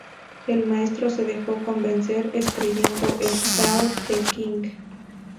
El maestro se dejó convencer, escribiendo el "Tao Te King".